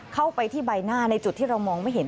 เข้าไปที่ใบหน้าในจุดที่เรามองไม่เห็น